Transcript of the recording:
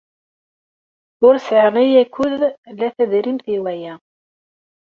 Ur sɛiɣ la akud la tadrimt i waya.